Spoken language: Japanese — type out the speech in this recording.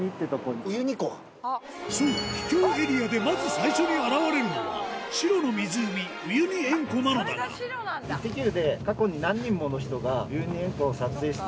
そう秘境エリアでまず最初に現れるのは白の湖ウユニ塩湖なのだがえぇ！